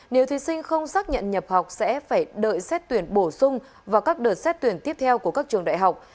nếu thí sinh không xác nhận nhập học sẽ phải đợi xét tuyển bổ sung vào các đợt xét tuyển tiếp theo của các trường đại học